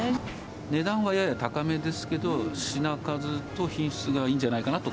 値段はやや高めですけど、品数と品質がいいんじゃないかなと。